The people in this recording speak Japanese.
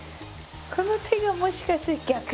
この手がもしかして逆。